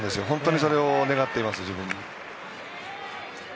本当にそれを願っています、自分も。